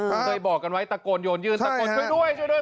ผมเคยบอกกันไว้ตะโกนโยนยืนตะโกนช่วยด้วยช่วยด้วย